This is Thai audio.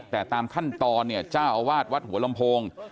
แต่ตามขั้นตอนเนี่ยเจ้าอาวาสวัดหัวลำโพง